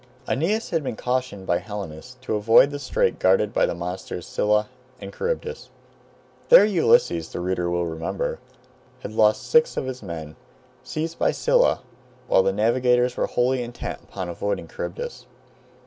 Aeneas had been cautioned by Helenus to avoid the strait guarded by the monsters Scylla and Charybdis. There Ulysses, the reader will remember, had lost six of his men, seized by Scylla while the navigators were wholly intent upon avoiding Charybdis.